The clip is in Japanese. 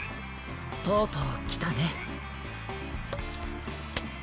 とうとう来たね。